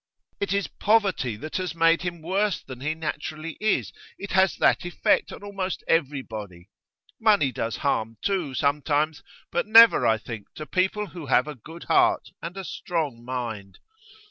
It is poverty that has made him worse than he naturally is; it has that effect on almost everybody. Money does harm, too, sometimes; but never, I think, to people who have a good heart and a strong mind.